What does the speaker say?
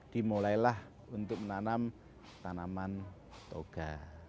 dimulailah untuk menanam tanaman toga